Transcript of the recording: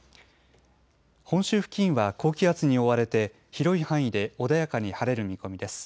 本州付近は高気圧に覆われて広い範囲で穏やかに晴れる見込みです。